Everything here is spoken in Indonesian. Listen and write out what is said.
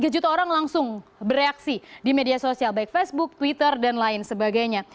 tiga juta orang langsung bereaksi di media sosial baik facebook twitter dan lain sebagainya